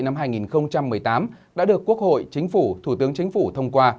tổng cục thuế xã hội năm hai nghìn một mươi tám đã được quốc hội chính phủ thủ tướng chính phủ thông qua